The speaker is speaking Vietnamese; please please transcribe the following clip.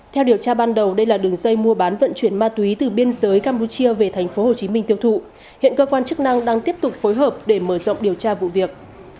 theo điều tra ban đầu đây là đường dây mua bán vận chuyển ma túy từ biên giới campuchia về tp hcm tiêu thụ hiện cơ quan chức năng đang tiếp tục phối hợp để mở rộng điều tra vụ việc